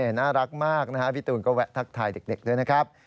น่ารักมากนะฮะพี่ตูนก็แวะทักทายเด็กด้วยนะครับ